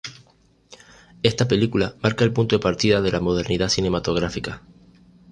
Esta película marca el punto de partida de la modernidad cinematográfica.